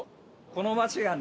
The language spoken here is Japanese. この街がね